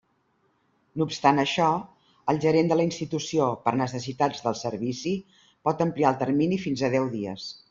No obstant això, el gerent de la institució, per necessitats del servici, pot ampliar el termini fins a deu dies.